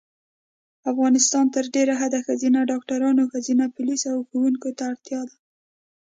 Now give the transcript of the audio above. افغانیستان کې تر ډېره حده ښځېنه ډاکټرانو ښځېنه پولیسو او ښوونکو ته اړتیا ده